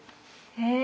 え。